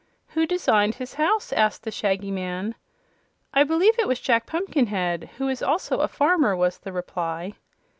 "Who designed his house?" asked the Shaggy Man. "I believe it was Jack Pumpkinhead, who is also a farmer," was the reply.